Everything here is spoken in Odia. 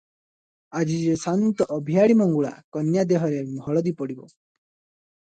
ଆଜି ଯେ ସାନ୍ତ ଅଭିଆଡ଼ି ମଙ୍ଗୁଳା, କନ୍ୟା ଦେହରେ ହଳଦୀ ପଡ଼ିବ ।